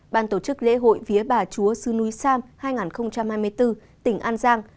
ban tổ chức lễ hội vía bà chúa sứ núi sam hai nghìn hai mươi bốn tỉnh an giang